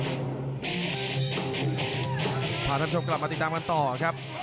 พาท่านผู้ชมกลับมาติดตามกันต่อครับ